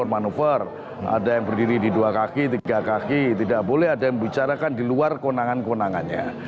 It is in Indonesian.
manuver ada yang berdiri di dua kaki tiga kaki tidak boleh ada yang membicarakan di luar kewenangan kewenangannya